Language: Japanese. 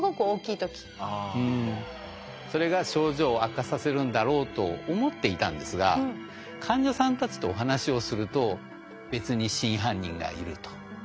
それが症状を悪化させるんだろうと思っていたんですが患者さんたちとお話をすると別に真犯人がいると。